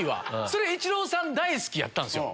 それイチローさん大好きやったんですよ。